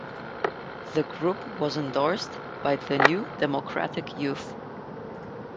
The group was endorsed by the New Democratic Youth.